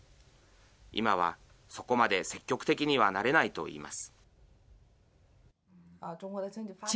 今はそこまで積極的にはなれないといいます。